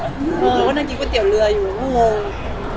เราก็นั่งกินก๋วยเตี๋ยวเรืออยู่